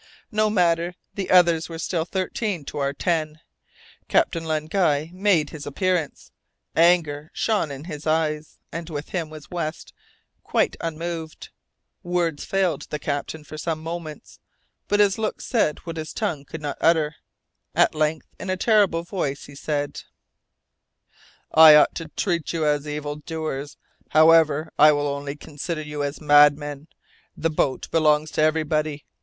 No matter. The others were still thirteen to our ten. Captain Len Guy made his appearance; anger shone in his eyes, and with him was West, quite unmoved. Words failed the captain for some moments, but his looks said what his tongue could not utter. At length, in a terrible voice, he said, "I ought to treat you as evil doers; however, I will only consider you as madmen! The boat belongs to everybody.